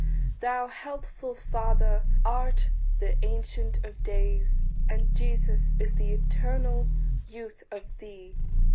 Thou, healthful Father, art the Ancient of Days, And Jesus is the eternal youth of thee.